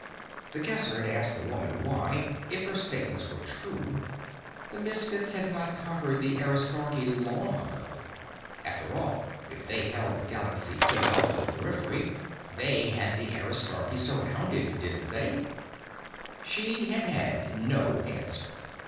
The Guesser had asked the woman why if her statements were true the Misfits had not conquered the Aristarchy long ago. After all, if they held the galaxy clear out to the Periphery, they had the Aristarchy surrounded, didn't they? She had had no answer.